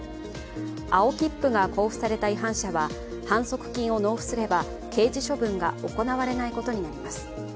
青切符が交付された違反者は反則金を納付すれば、刑事処分が行われないことになります。